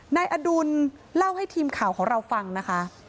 นายอดุลเล่าให้ทีมข่าวของเราฟังนะคะ